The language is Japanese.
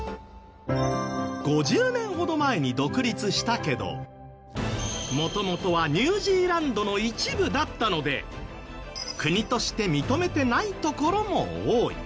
５０年ほど前に独立したけど元々はニュージーランドの一部だったので国として認めてない所も多い。